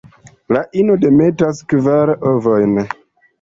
La ino demetas kvar ovojn.